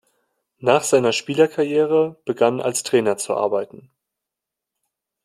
Nach seiner Spielerkarriere begann als Trainer zu arbeiten.